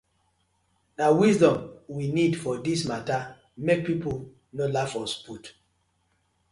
Na wisdom we need for dis matta mek pipus no laugh us put.